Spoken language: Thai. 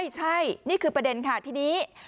ใช่นี่คือประเด็นค่ะทีนี้